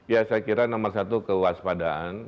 ya saya kira nomor satu kewaspadaan